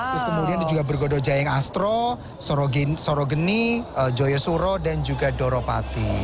terus kemudian juga bergodo jayeng astro sorogeni joyosuro dan juga doropati